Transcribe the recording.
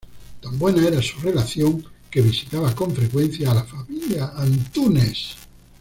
Tan buena era su relación que visitaba con frecuencia a la familia Antunes.